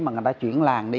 mà người ta chuyển làng đi